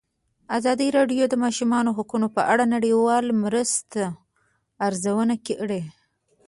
ازادي راډیو د د ماشومانو حقونه په اړه د نړیوالو مرستو ارزونه کړې.